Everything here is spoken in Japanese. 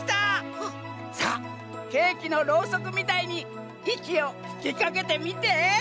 さあケーキのろうそくみたいにいきをふきかけてみて！